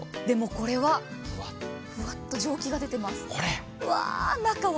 でもこれは、ふわっと蒸気が出ています。